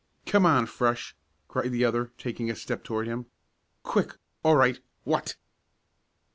"Come on, Fresh.!" cried the other, taking a step toward him. "Quick all right what?"